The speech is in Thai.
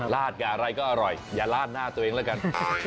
ราชอะไรก็อร่อยอย่าราชหน้าตัวเองละกัน